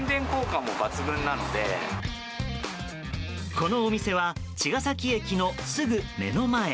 このお店は茅ヶ崎駅のすぐ目の前。